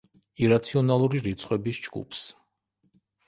ირაციონალური რიცხვების ჯგუფს.